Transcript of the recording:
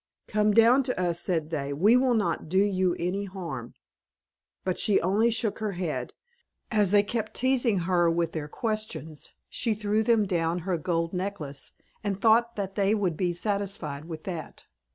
"Come down to us," said they, "we will not do you any harm." But she only shook her head. As they kept teasing her with their questions, she threw them down her gold necklace, and thought they would be satisfied with that.